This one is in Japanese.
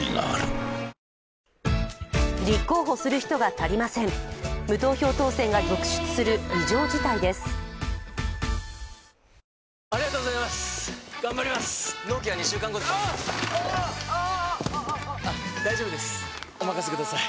ニャー大丈夫ですおまかせください！